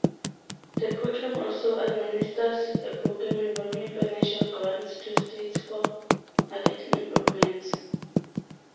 The program also administers a program involving financial grants to States for marketing improvements.